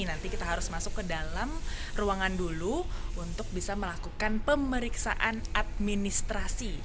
nanti kita harus masuk ke dalam ruangan dulu untuk bisa melakukan pemeriksaan administrasi